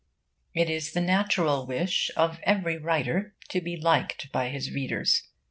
It is the natural wish of every writer to be liked by his readers.